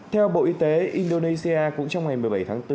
theo bộ y tế indonesia cũng trong ngày một mươi bảy tháng bốn